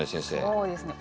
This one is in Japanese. そうですね